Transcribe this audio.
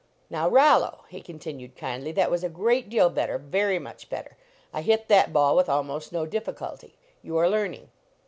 Now Rollo," he continued, kindly , "that was a great deal better; very much better. I hit that ball with almost no difficulty. Vou are learning.